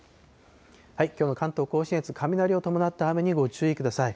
きょうの関東甲信越、雷を伴った雨にご注意ください。